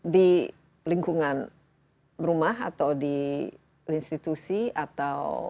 di lingkungan rumah atau di institusi atau